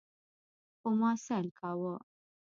خو ما سيل کاوه.